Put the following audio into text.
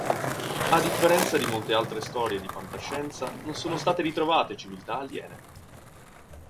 A differenza di molte altre storie di fantascienza non sono state ritrovate civiltà aliene.